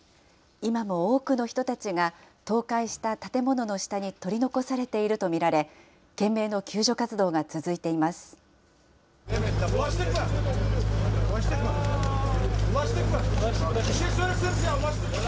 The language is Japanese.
今も多くの人たちが、倒壊した建物の下に取り残されていると見られ、懸命の救助活動が続いています。